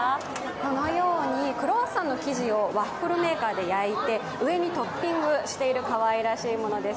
このようにクロワッサンの生地をワッフルメーカーで焼いて上にトッピングしているかわいらしいものです。